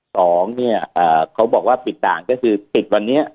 สองเนี่ยเขาบอกว่าปิดด่างก็คือปิดวันนี้